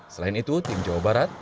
selain itu tim jawa barat